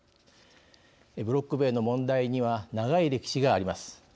ブロック塀の問題には長い歴史があります。